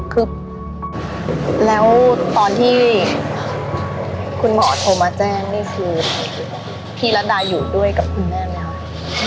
คือแล้วตอนที่คุณหมอโทรมาแจ้งนี่คือพี่รัฐดาอยู่ด้วยกับคุณแม่ไหมคะ